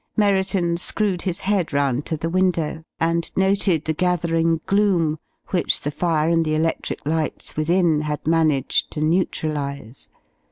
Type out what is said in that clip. Merriton screwed his head round to the window, and noted the gathering gloom which the fire and the electric lights within had managed to neutralize.